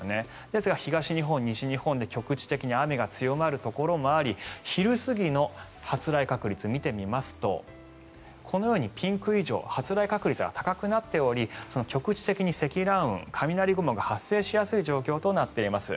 ですが、東日本、西日本で局地的に雨が強まるところもあり昼過ぎの発雷確率見てみますとこのようにピンク以上発雷確率が高くなっており局地的に積乱雲雷雲が発生しやすい状況となっています。